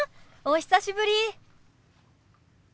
久しぶり。